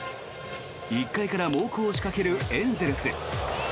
１回から猛攻を仕掛けるエンゼルス。